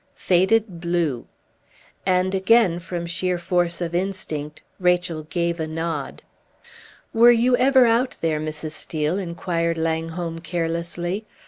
"Faded blue." And, again from sheer force of instinct, Rachel gave a nod. "Were you ever out there, Mrs. Steel?" inquired Langholm, carelessly.